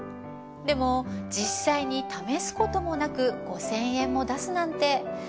でも実際に試すこともなく５，０００円も出すなんて。